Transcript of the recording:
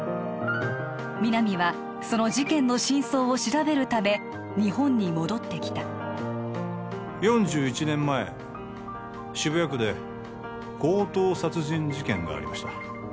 皆実はその事件の真相を調べるため日本に戻ってきた４１年前渋谷区で強盗殺人事件がありました